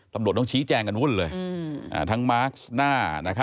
ตำรวจต้องชี้แจงกันวุ่นเลยอืออ่าทั้งมาร์คหน้านะครับ